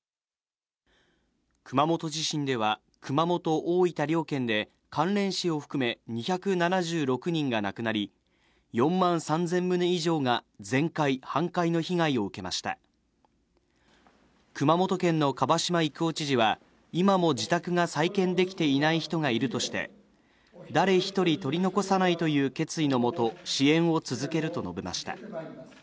熊本地震では、熊本大分両県で関連死を含め２７６人が亡くなり、４万３０００棟以上が全壊、半壊の被害を受けました熊本県の蒲島郁夫知事は、今も自宅が再建できていない人がいるとして、誰１人取り残さないという決意のもと、支援を続けると述べました。